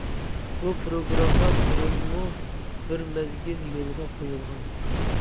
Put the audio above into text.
بۇ پىروگرامما بۇرۇنمۇ بىر مەزگىل يولغا قويۇلغان.